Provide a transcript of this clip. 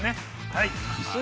はい！